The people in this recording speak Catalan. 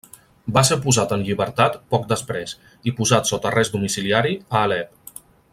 Va ser posat en llibertat poc després i posat sota arrest domiciliari a Alep.